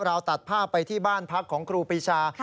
เราตัดภาพไปที่บ้านพักของครูปีชา